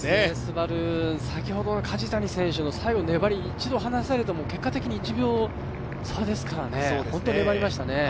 先ほどの梶谷選手の最後の粘り、一度離されても結果的に１秒差ですからね、本当に粘りましたね。